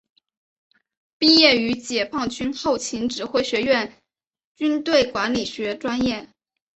毕业于解放军后勤指挥学院军队管理学专业。